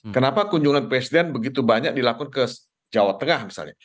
kenapa kunjungan presiden begitu banyak dilakukan ke jawa tengah misalnya